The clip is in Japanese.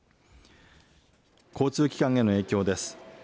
交通機関への影響です。